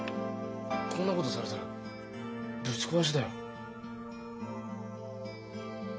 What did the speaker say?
こんなことされたらぶち壊しだよ。